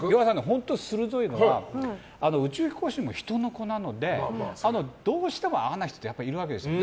本当鋭いのが宇宙飛行士も人の子なのでどうしても合わない人ってやっぱりいるわけですよね。